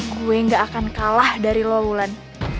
gue gak akan kalah dari lo ulan